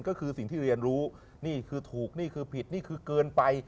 ก็คือสิ่งที่เรียนรู้นี่คือถูกนี่คือผิดนี่คือเกินไป